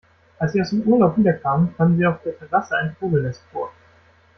Als sie aus dem Urlaub wiederkamen, fanden sie auf der Terrasse ein Vogelnest vor.